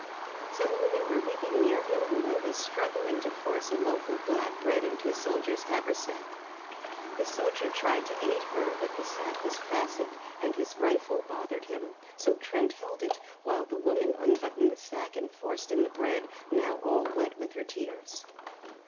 Some women were weeping near him and one was struggling to force a loaf of black bread into a soldier's haversack. The soldier tried to aid her, but the sack was fastened, and his rifle bothered him, so Trent held it, while the woman unbuttoned the sack and forced in the bread, now all wet with her tears.